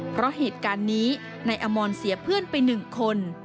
เพราะเหตุการณ์นี้นายอมรเสียเพื่อนไป๑คน